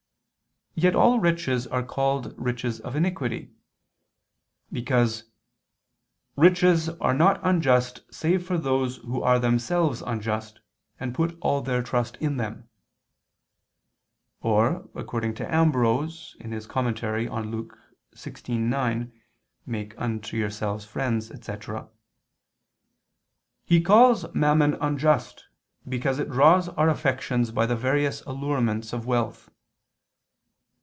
Yet all riches are called riches of iniquity, as stated in De Quaest. Ev. ii, 34, because "riches are not unjust save for those who are themselves unjust, and put all their trust in them. Or, according to Ambrose in his commentary on Luke 16:9, "Make unto yourselves friends," etc., "He calls mammon unjust, because it draws our affections by the various allurements of wealth."